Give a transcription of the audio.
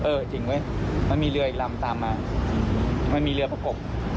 จริงเว้ยมันมีเรืออีกลำตามมามันมีเรือประกบ